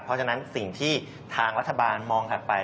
เพราะฉะนั้นสิ่งที่ทางรัฐบาลมองถัดไป